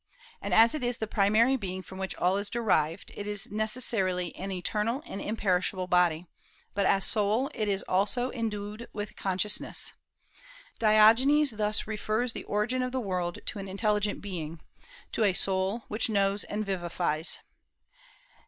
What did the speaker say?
And as it is the primary being from which all is derived, it is necessarily an eternal and imperishable body; but as soul it is also endued with consciousness. Diogenes thus refers the origin of the world to an intelligent being, to a soul which knows and vivifies.